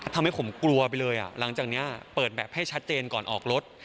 ทำให้ผมกลัวไปเลยหลังจากนี้เปิดแบบให้ชัดเจนก่อนออกรถ